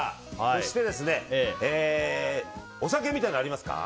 そして、お酒みたいなのありますか？